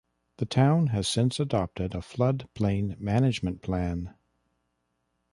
The town has since adopted a flood plain management plan.